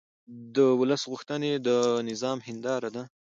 د ولس غوښتنې د نظام هنداره ده